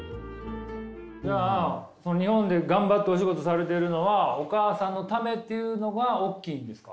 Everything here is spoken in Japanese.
じゃあ日本で頑張ってお仕事されてるのはお母さんのためっていうのがおっきいんですか？